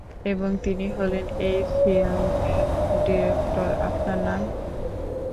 এবং তিনি হলেন এই ফিল্মের ডিরেক্টর, আপনার নাম কি?